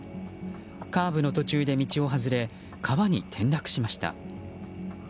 カーブの途中で道を外れ川に転落しました。